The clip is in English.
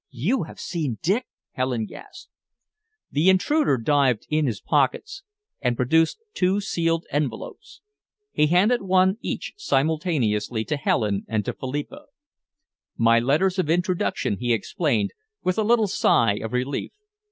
"You have seen Dick?" Helen gasped. The intruder dived in his pockets and produced two sealed envelopes. He handed one each simultaneously to Helen and to Philippa. "My letters of introduction," he explained, with a little sigh of relief.